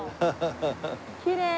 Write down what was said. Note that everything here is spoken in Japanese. きれい！